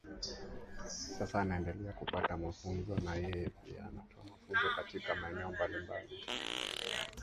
Sasa anaendelea kupata mafunzo na yeye pia anatoa mafunzo katika maeneo mbalimbali